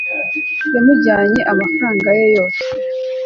yamujyanye amafaranga ye yose